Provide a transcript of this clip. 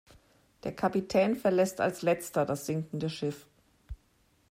Der Kapitän verlässt als Letzter das sinkende Schiff.